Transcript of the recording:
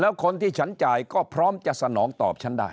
แล้วคนที่ฉันจ่ายก็พร้อมจะสนองตอบฉันได้